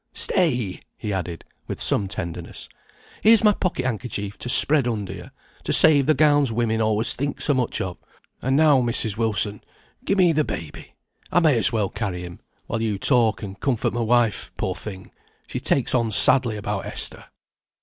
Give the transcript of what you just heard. Stay," he added, with some tenderness, "here's my pocket handkerchief to spread under you, to save the gowns women always think so much of; and now, Mrs. Wilson, give me the baby, I may as well carry him, while you talk and comfort my wife; poor thing, she takes on sadly about Esther." [Footnote 1: "Nesh;" Anglo Saxon, nesc, tender.